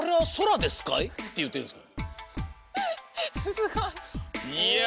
すごい！いや。